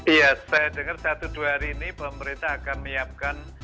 iya saya dengar satu dua hari ini pemerintah akan menyiapkan